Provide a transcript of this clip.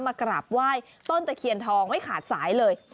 มากราบไหว้ต้นตะเคียนทองไม่ขาดสายเลย